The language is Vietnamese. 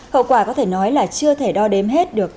hậu quả có thể nói là chưa thể đo đếm hết được